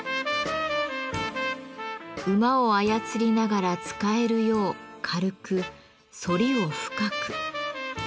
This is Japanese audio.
馬を操りながら使えるよう軽く反りを深く。